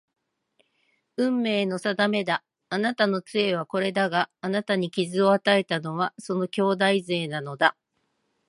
運命の定めだ。あなたの杖はこれだが、あなたに傷を与えたのはその兄弟杖なのだ